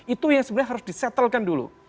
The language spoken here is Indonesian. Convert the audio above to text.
itu yang sebenarnya harus disetelkan dulu